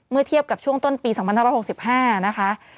เทียบกับช่วงต้นปี๒๕๖๕นะคะ